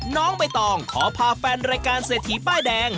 น้องใบตองขอพาแฟนรายการเศรษฐีป้ายแดง